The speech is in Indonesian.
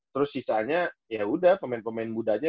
terus sisanya ya udah pemain pemain budanya